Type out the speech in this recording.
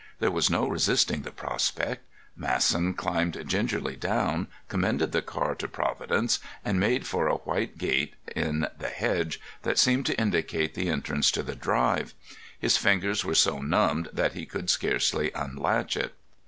There was no resisting the prospect. Masson climbed gingerly down, commended the car to Providence, and made for a white gate in the hedge that seemed to indicate the entrance to the drive. His fingers were so numbed that he could scarcely unlatch it.